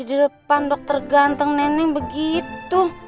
di depan dokter ganteng neneng begitu